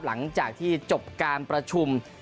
หลังจากที่จบการประชุม